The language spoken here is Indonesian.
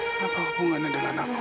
apakah hubungannya dengan aku